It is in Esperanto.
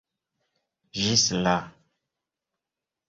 Ĝis la!